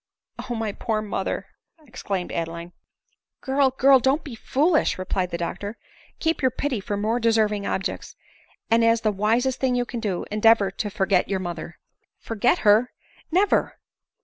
" Oh ! my poor mother !" exclaimed Adeline. " Girl ! girl ! don't be foolish," replied the doctor ;" keep your pity for. more deserving objects ; and, as the wisest thing you can do, endeavor to forget your mo ther." "Forget her i Never."